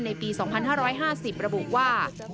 ปี๒๕๕๐ระบุว่า